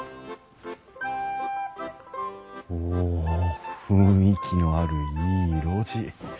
お雰囲気のあるいい路地。